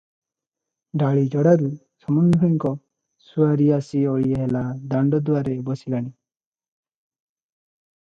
ଡାଳିଯୋଡ଼ାରୁ ସମୁନ୍ଧୁଣୀଙ୍କ ସୁଆରି ଆସି ଓଳିଏ ହେଲା ଦାଣ୍ତଦୁଆରେ ବସିଲାଣି ।